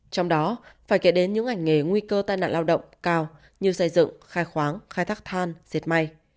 trong đó phải kể đến những ngành nghề nguy cơ tai nạn lao động cao như xây dựng khai khoáng khai thác than diệt may